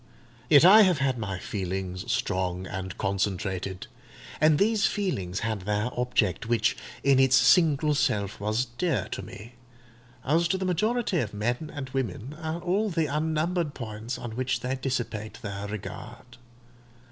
Yet I have had my feelings, strong and concentrated; and these feelings had their object; which, in its single self, was dear to me, as to the majority of men and women, are all the unnumbered points on which they dissipate their regard.